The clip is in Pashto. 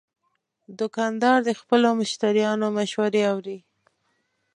دوکاندار د خپلو مشتریانو مشورې اوري.